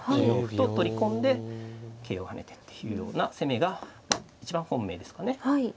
４四歩と取り込んで桂を跳ねてっていうような攻めが一番本命ですかね。